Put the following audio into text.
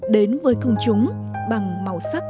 đến với công chúng bằng màu sắc